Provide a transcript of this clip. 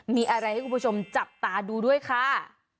มีอะไรให้คุณผู้ชมจับตาดูด้วยค่ะ